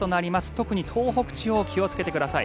特に東北地方気をつけてください。